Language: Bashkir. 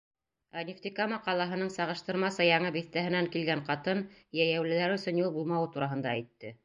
Ә Нефтекама ҡалаһының сағыштырмаса яңы биҫтәһенән килгән ҡатын йәйәүлеләр өсөн юл булмауы тураһында әйтте.